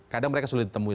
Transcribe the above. kadang mereka sulit ditemui